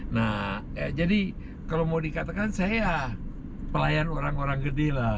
nah jadi kalau mau dikatakan saya ya pelayan orang orang gede lah